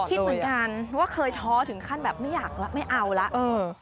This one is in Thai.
คิดเหมือนกันว่าเคยท้อถึงขั้นแบบไม่อยากแล้วไม่เอาแล้ว